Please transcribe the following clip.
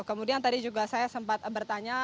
kemudian tadi juga saya sempat bertanya